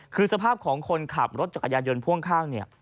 คือสภาพของคนขับรถจักรยานยนต์พ่วงข้างเนี่ย